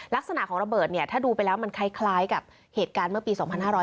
ลักษณะของระเบิดเนี่ยถ้าดูไปแล้วมันคล้ายกับเหตุการณ์เมื่อปี๒๕๕๙